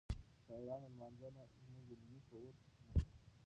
د شاعرانو لمانځنه زموږ د ملي شعور نښه ده.